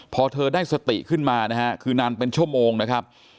พอเธอได้สติขึ้นมานะฮะคือนานเป็นชั่วโมงนะครับ